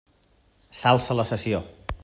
S'alça la sessió.